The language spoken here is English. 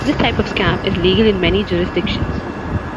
This type of scam is legal in many jurisdictions.